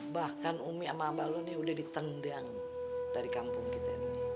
bahkan umi sama ambalun ya udah ditendang dari kampung kita ini